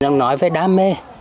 nói về đam mê